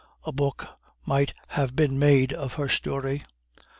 A book might have been made of her story.